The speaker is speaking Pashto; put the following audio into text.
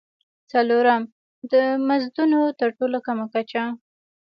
څلورم: د مزدونو تر ټولو کمه کچه.